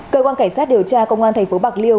cơ quan cảnh sát điều tra công an thành phố bạc liêu